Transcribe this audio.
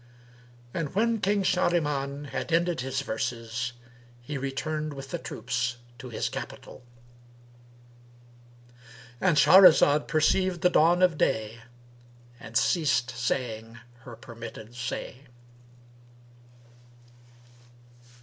And when King Shahriman had ended his verses, he returned with the troops to his capital,—And Shahrazad perceived the dawn of day and ceased saying her permitted say.